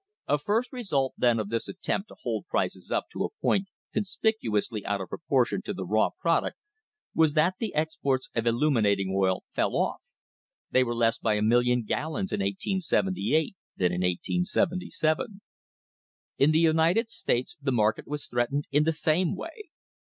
A first result, then, of this attempt to hold prices up to a point conspicuously out of proportion to the raw product was that the exports of illuminating oil fell off they were less by a million gallons in 1878 than in 1877. In the United States the market was threatened in the same way.